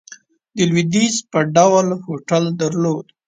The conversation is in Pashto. د لوېدیځ په ډول هوټل درلود.